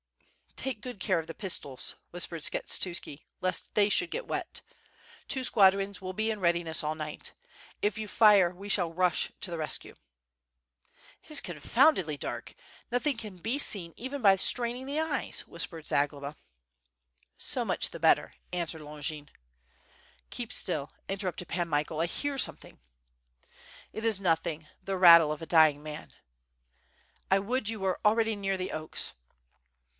"Take good care of the pistols," whispered Skshetuski, *^est they should get wet. Two squadrons will be in readi ness all night. If you fire we shall rush to the rescue." "It is confoundedly dark, nothing can be seen even by straining the eyes," whispered Zagloba. "So much the better," answered Longin. "Keep still," interrupted Pan Michael. "I hear some thing." "It is nothing, the rattle of a Aying man." "I would you were already near the oaks."